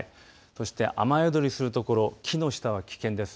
そして雨宿りするところ木の下は危険です。